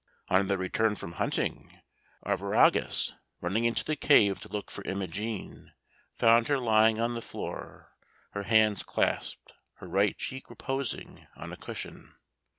On their return from hunting, Arviragus, running into the cave to look for Imogen, found her lying on the floor, her hands clasped, her right cheek reposing on a cushion.